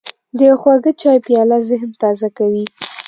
د یو خواږه چای پیاله ذهن تازه کوي.